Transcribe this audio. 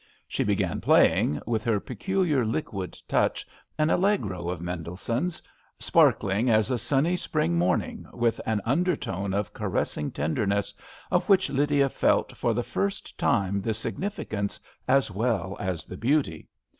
She began playing, with her peculiar liquid touchy an allegro of Mendels sohn's, sparkling as a sunny spring morning, with an under tone of caressing tenderness of which Lydia felt for the first time the significance as well as the beauty.